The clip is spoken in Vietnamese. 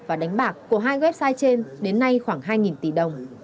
và đánh bạc của hai website trên đến nay khoảng hai tỷ đồng